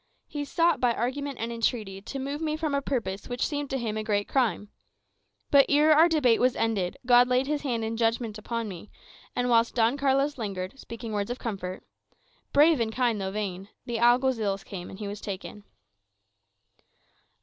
He sought, by argument and entreaty, to move me from a purpose which seemed to him a great crime. But ere our debate was ended, God laid his hand in judgment upon me; and whilst Don Carlos lingered, speaking words of comfort brave and kind, though vain the Alguazils came, and he was taken."